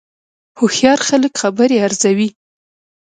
هوښیار خلک خبرې ارزوي